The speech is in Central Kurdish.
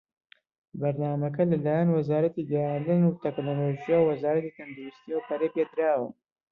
بەرنامەکە لە لایەن وەزارەتی گەیاندن وتەکنەلۆجی و وە وەزارەتی تەندروستییەوە پەرەی پێدراوە.